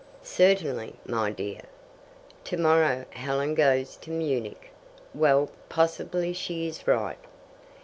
"Certainly, my dear." "Tomorrow Helen goes to Munich " "Well, possibly she is right."